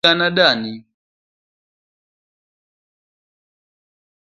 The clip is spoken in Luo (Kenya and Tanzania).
Gonwa sigana dani.